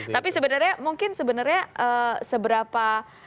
tapi sebenarnya mungkin sebenarnya seberapa